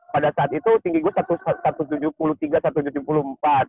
pada saat itu tinggi gue satu ratus tujuh puluh tiga satu ratus tujuh puluh empat